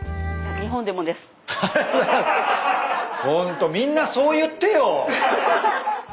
ホントみんなそう言ってよ。